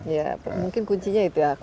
ya mungkin kuncinya itu ya